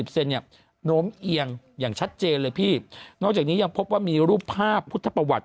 เซนเนี่ยโน้มเอียงอย่างชัดเจนเลยพี่นอกจากนี้ยังพบว่ามีรูปภาพพุทธประวัติ